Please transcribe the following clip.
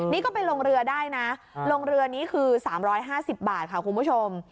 นี่ก็ไปลงเรือได้น่ะลงเรือนี้คือสามร้อยห้าสิบบาทค่ะคุณผู้ชม